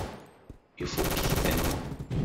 Ifukk-iten?